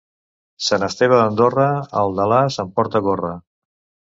Sant Esteve d'Andorra, el d'Alàs en porta gorra.